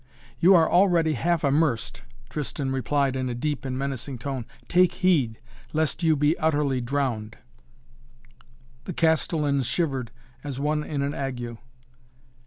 "You are already half immersed," Tristan replied in a deep and menacing tone. "Take heed lest you be utterly drowned." The Castellan shivered as one in an ague.